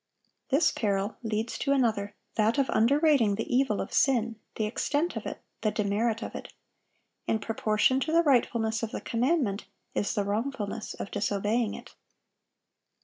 This peril leads to another, that of underrating the evil of sin, the extent of it, the demerit of it. In proportion to the rightfulness of the commandment is the wrongfulness of disobeying it....